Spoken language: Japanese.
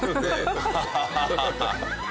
ハハハハッ。